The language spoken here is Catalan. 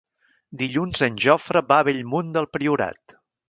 Dilluns en Jofre va a Bellmunt del Priorat.